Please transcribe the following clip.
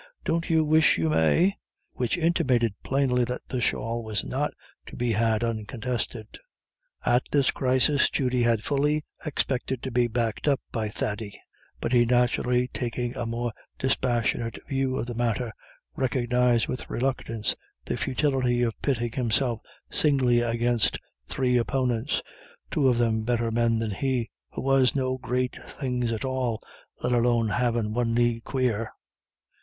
Don't you wish you may?" which intimated plainly that the shawl was not to be had uncontested. At this crisis Judy had fully expected to be backed up by Thady; but he naturally taking a more dispassionate view of the matter, recognised with reluctance the futility of pitting himself singly against three opponents, two of them better men than he, who was "no great things at all, let alone havin' one knee quare."